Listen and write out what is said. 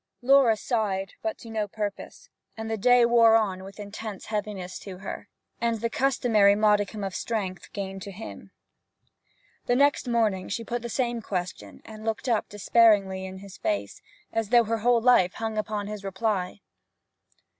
Laura sighed, but to no purpose; and the day wore on with intense heaviness to her, and the customary modicum of strength gained to him. The next morning she put the same question, and looked up despairingly in his face, as though her whole life hung upon his reply.